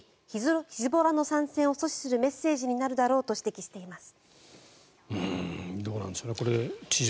ヒズボラの参戦を阻止するメッセージになるだろうと指摘しています。